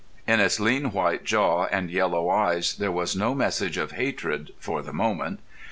In its lean white jaw and yellow eyes there was no message of hatred for the moment.